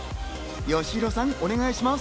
よしひろさん、お願いします。